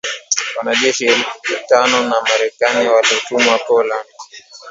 wanajeshi elfu tano wa Marekani waliotumwa Poland